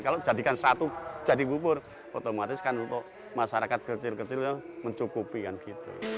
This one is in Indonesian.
kalau jadikan satu jadi bubur otomatis kan untuk masyarakat kecil kecil mencukupi kan gitu